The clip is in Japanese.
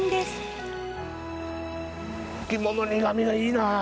肝の苦みがいいな。